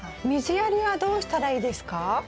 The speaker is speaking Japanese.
水やりはどうしたらいいですか？